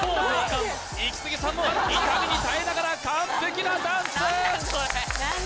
イキスギさんも痛みに耐えながら完璧なダンス何なん？